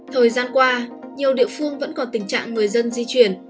thời gian qua nhiều địa phương vẫn còn tình trạng người dân di chuyển